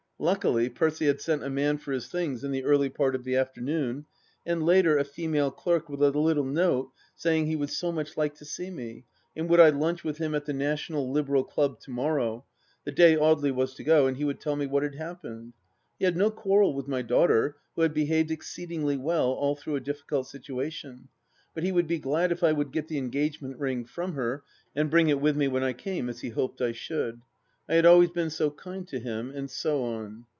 Luckily, Percy had sent a man for his things in the early part of the afternoon, and later a female clerk with a little note saying he would so much like to see me, and would I lunch with him at the National Liberal Club to morrow — ^the day Audely was to go — and he would tell me what had happened. He had no quarrel with my daughter, who had behaved exceedingly well all through a difficult situation, but he would be glad if I would get the engagement ring from her and bring it with me when I came, as he hoped I should. I had always been so jcind to him ... and so on.